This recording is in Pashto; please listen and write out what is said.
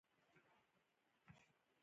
زما د کميس تڼۍ يې راپرې کړې